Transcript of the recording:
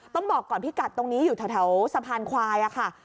ต้องบอกก่อนพิกัดตรงนี้อยู่แถวสะพานควายค่ะ